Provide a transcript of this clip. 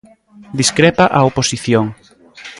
Discrepa a oposición.